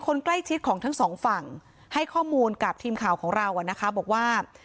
คนใกล้ชิดของทั้งสองฝั่งให้ข้อมูลกับทีมข่าวของเราอ่ะนะคะบอกว่า